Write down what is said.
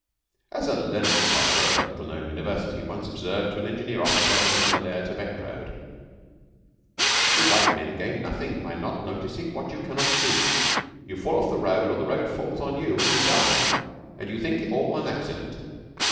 'As a learned scholar of a little known university once observed to an engineer officer on the Himalaya Tibet Road 'You white men gain nothing by not noticing what you cannot see. You fall off the road, or the road falls on you, and you die, and you think it all an accident.